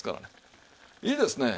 いいですねえ。